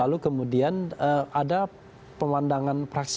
lalu kemudian ada pemandangan praksi